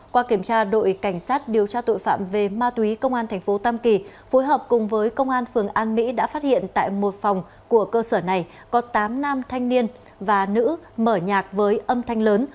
qua kiểm tra đội cảnh sát điều tra tội phạm về ma túy công an thành phố tam kỳ phối hợp cùng với công an phường an mỹ đã phát hiện tại một phòng của cơ sở này có tám nam thanh niên và nữ mở nhạc với âm thanh lớn